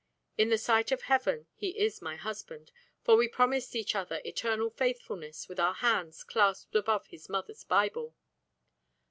In the sight of heaven he is my husband, for we promised each other eternal faithfulness with our hands clasped above his mother's Bible."